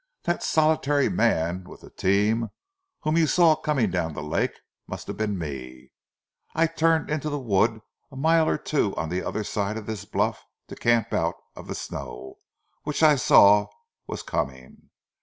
"That solitary man with the team whom you saw coming down the lake, must have been me. I turned into the wood a mile or two on the other side of this bluff to camp out of the snow which I saw was coming.